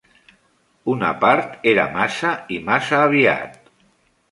Una part era massa i massa aviat.